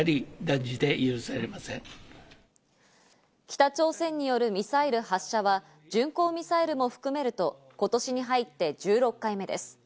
北朝鮮によるミサイル発射は巡航ミサイルも含めると今年に入って１６回目です。